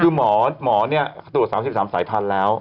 คือหมอตรวจ๓๓สายพันธุ์แล้ว